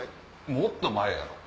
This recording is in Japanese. もっと前やろ！